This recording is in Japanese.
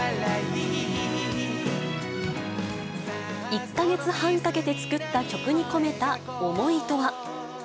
１か月半かけて作った曲に込めた思いとは。